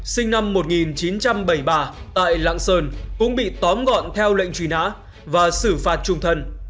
sinh năm một nghìn chín trăm bảy mươi ba tại lạng sơn cũng bị tóm gọn theo lệnh truy nã và xử phạt trung thân